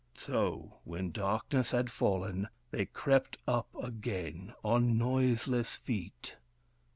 So, when darkness had fallen, they crept up again, on noiseless feet.